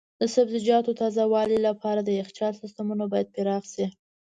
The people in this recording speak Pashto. د سبزیجاتو تازه والي لپاره د یخچال سیستمونه باید پراخ شي.